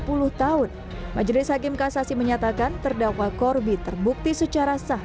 pada dua puluh tahun majelis hakem kasasi menyatakan terdakwa corbi terbukti secara sah